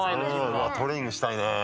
トレーニングしたいね。